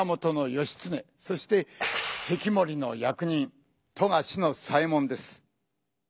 そして関守の役人富樫左衛門です。